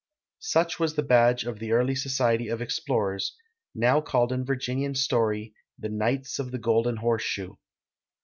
^^ Such was the badge of this early society of explorers, now called in Virginian stoiy the " Knights of the Golden 1 lorseslnx